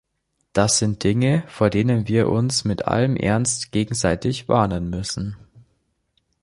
Das sind Dinge, vor denen wir uns mit allem Ernst gegenseitig warnen müssen.